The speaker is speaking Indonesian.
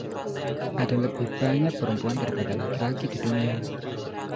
Ada lebih banyak perempuan daripada laki-laki di dunia.